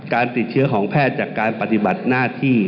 การติดเชื้อของแพทย์จากการปฏิบัติหน้าที่